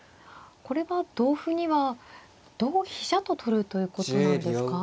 これは同歩には同飛車と取るということなんですか。